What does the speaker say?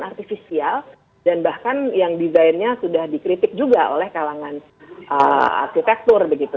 artifisial dan bahkan yang desainnya sudah dikritik juga oleh kalangan arsitektur begitu